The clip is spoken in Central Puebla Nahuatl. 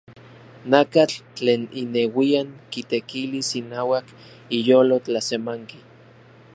Nakatl tlen ineuian kitekilis inauak iyolo tlasemanki.